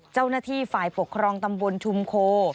เจ้าหน้าที่ฝ่ายปกครองตำบลชุมโค